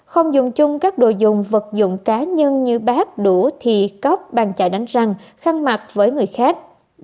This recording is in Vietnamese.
sáu không dùng chung các đồ dùng vật dụng cá nhân như bát đũa thị cóc bàn chạy đánh răng khăn mặt với người khác